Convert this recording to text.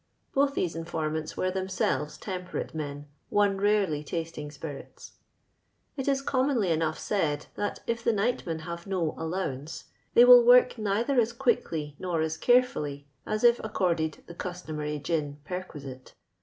Both these informants were themselves temperate men, one rarely tasting spirits. It is commonly enough said, that if the nightmen have no " oUowance," they will work neither as quickly nor as carefully as if accorded the customar}' gin "perquisite."